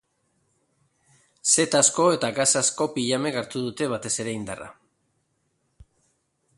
Zetazko eta gasazko pijamek hartuko dute, batez ere, indarra.